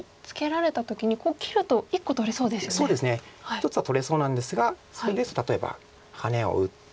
１つは取れそうなんですがそれですと例えばハネを打って。